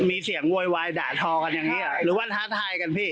มีเสียงโวยวายด่าทอกันอย่างนี้หรือว่าท้าทายกันพี่